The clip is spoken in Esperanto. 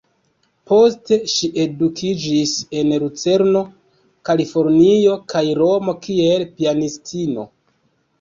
Poste ŝi edukiĝis en Lucerno, Kalifornio kaj Romo kiel pianistino.